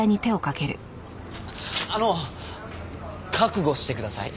あの覚悟してください。